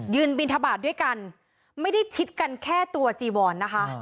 บินทบาทด้วยกันไม่ได้ชิดกันแค่ตัวจีวอนนะคะ